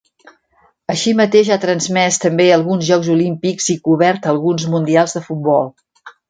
Així mateix ha transmès també alguns Jocs Olímpics i cobert alguns Mundials de futbol.